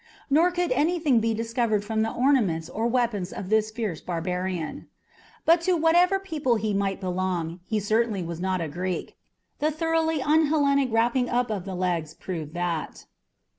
Nor could anything be discovered from the ornaments or weapons of this fierce barbarian. But to whatever people he might belong, he certainly was not a Greek. The thoroughly un Hellenic wrapping up of the legs proved that.